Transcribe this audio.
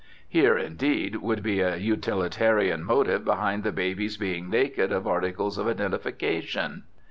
(Here, indeed, would be a utilitarian motive behind the baby's being naked of articles of identification.)